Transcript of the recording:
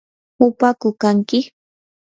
¿upaku kanki?